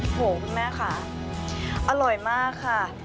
โหคุณแม่ค่ะอร่อยมากค่ะ